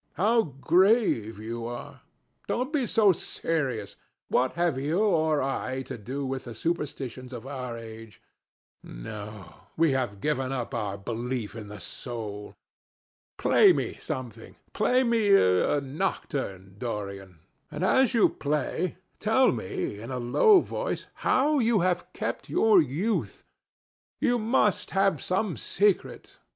How grave you are! Don't be so serious. What have you or I to do with the superstitions of our age? No: we have given up our belief in the soul. Play me something. Play me a nocturne, Dorian, and, as you play, tell me, in a low voice, how you have kept your youth. You must have some secret.